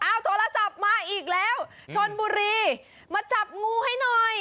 เอาโทรศัพท์มาอีกแล้วชนบุรีมาจับงูให้หน่อย